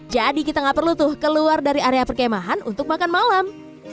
kita nggak perlu tuh keluar dari area perkemahan untuk makan malam